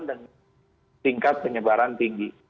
dan tingkat penyebaran tinggi